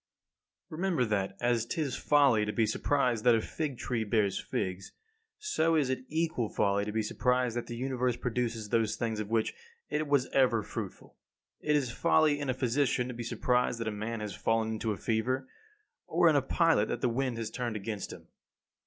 15. Remember that, as 'tis folly to be surprised that a fig tree bears figs, so is it equal folly to be surprised that the Universe produces those things of which it was ever fruitful. It is folly in a physician to be surprised that a man has fallen into a fever; or in a pilot that the wind has turned against him.